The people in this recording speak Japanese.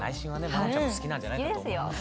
マロンちゃんも好きなんじゃないかと思いますね。